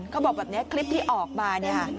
เขาบอกแบบนี้คลิปที่ออกมาเนี่ยค่ะ